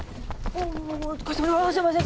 ああすいません